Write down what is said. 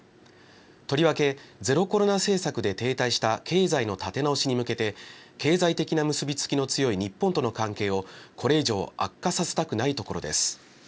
とりわけ、ゼロコロナ政策で停滞した経済の立て直しに向けて、経済的な結び付きの強い日本との関係をこれ以上悪化させたくないところです。